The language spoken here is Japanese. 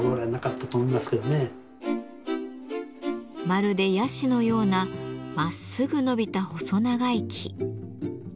まるでヤシのようなまっすぐ伸びた細長い木。